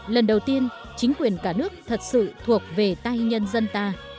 lần đầu tiên chính quyền cả nước thật sự thuộc về tay nhân dân ta